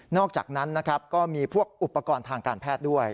อกจากนั้นนะครับก็มีพวกอุปกรณ์ทางการแพทย์ด้วย